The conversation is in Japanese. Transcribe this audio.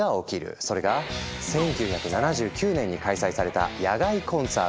それが１９７９年に開催された野外コンサート